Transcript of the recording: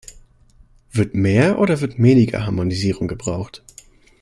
Wird mehr oder wird weniger Harmonisierung gebraucht?